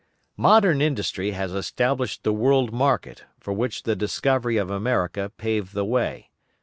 Modern industry has established the world market, for which the discovery of America paved the way.